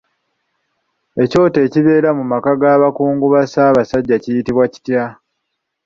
Ekyoto ekibeera mu maka ga bakungu ba Ssaabasajja kiyitibwa kitya?